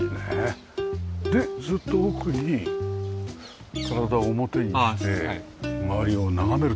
でずっと奥に体表に出て周りを眺めるという。